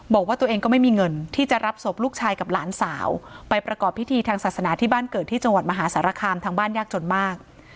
บอกว่าตัวเองก็ไม่มีเงินที่จะรับศพลูกชายกับหลานสาวไปประกอบพิธีทางศาสนาที่บ้านเกิดที่จังหวัดมหาสารคามทางบ้านยากจนมาก